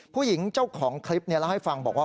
ผู้หญิงเจ้าของคลิปเล่าให้ฟังบอกว่า